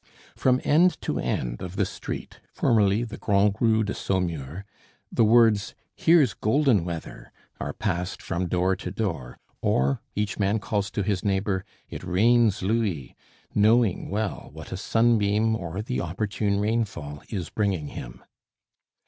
From end to end of this street, formerly the Grand'Rue de Saumur, the words: "Here's golden weather," are passed from door to door; or each man calls to his neighbor: "It rains louis," knowing well what a sunbeam or the opportune rainfall is bringing him.